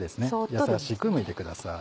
優しくむいてください。